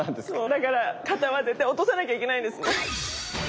だから肩は絶対落とさなきゃいけないんですね。